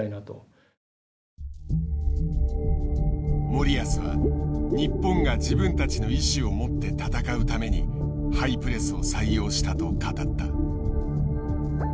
森保は日本が自分たちの意思を持って戦うためにハイプレスを採用したと語った。